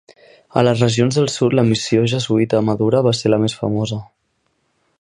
A les regions del sud la missió jesuïta a Madura va ser la més famosa.